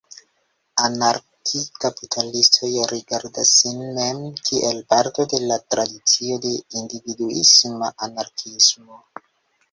Anarki-kapitalistoj rigardas sin mem kiel parto de la tradicio de individuisma anarkiismo.